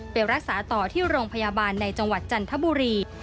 ไปรักษาต่อที่โรงพยาบาลในจังหวัดจันทบุรี